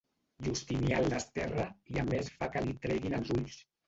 Justinià el desterra i a més fa que li treguin els ulls.